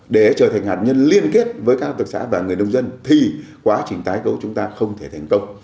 để trở thành hạt nhân liên kết với các hợp tác xã và người nông dân thì quá trình tái cấu chúng ta không thể thành công